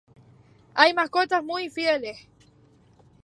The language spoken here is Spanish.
Hay mascotas muy fieles.